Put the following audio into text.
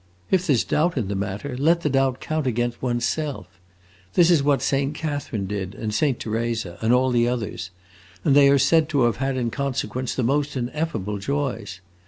If there 's doubt in the matter, let the doubt count against one's self. That is what Saint Catherine did, and Saint Theresa, and all the others, and they are said to have had in consequence the most ineffable joys.